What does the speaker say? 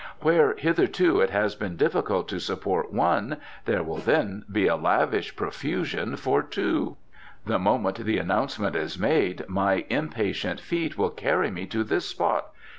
"Where hitherto it has been difficult to support one, there will then be a lavish profusion for two. The moment the announcement is made, my impatient feet will carry me to this spot.